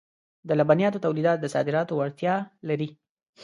د لبنیاتو تولیدات د صادراتو وړتیا لري.